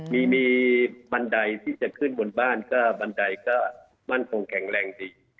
มีบันไดที่จะขึ้นบนบ้านก็บันไดก็มั่นคงแข็งแรงดี